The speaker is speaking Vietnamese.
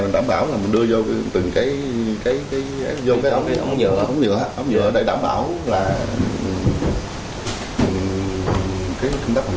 mình đảm bảo là mình đưa vô từng cái ống dừa để đảm bảo là